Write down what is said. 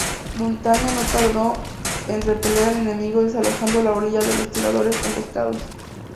Montaña no tardó en repeler al enemigo desalojando la orilla de los tiradores emboscados.